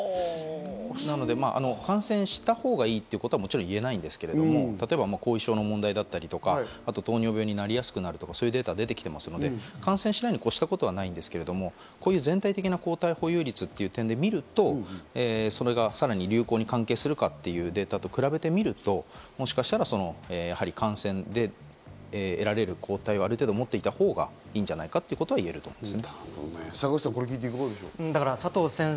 なので、感染したほうがいいということはもちろん言えないですけど、例えば後遺症の問題だったりとか、糖尿病になりやすくなるとかいうデータが出てきていますので、感染しないに越したことはないですが、こういう全体的な抗体保有率という点で見るとそれがさらに流行に関係するかというデータと比べてみると、もしかしたら、やはり感染で得られる抗体を持っていったほうがいいんじゃないかということがいえます。